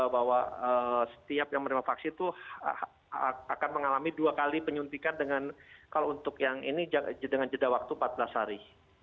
bahwa setiap yang menerima vaksin itu akan mengalami dua kali penyuntikan dengan jadah waktu empat belas hari